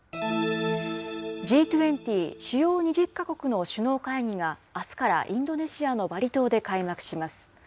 Ｇ２０・主要２０か国の首脳会議があすからインドネシアのバリ島で開幕します。